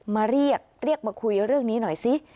มาเรียกเรียกมาคุยเรื่องนี้หน่อยสิ